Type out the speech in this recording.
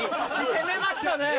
攻めました